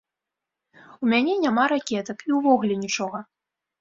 У мяне няма ракетак і ўвогуле нічога.